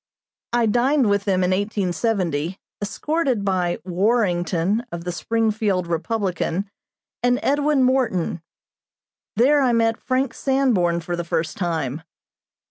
I dined with them in 1870, escorted by "Warrington" of the Springfield Republican and Edwin Morton. There I met Frank Sanborn for the first time.